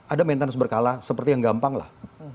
ada maintenance berkala seperti yang gampang lah